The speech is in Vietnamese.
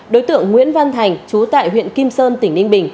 đối tượng nguyễn văn thành chú tại huyện kim sơn tỉnh ninh bình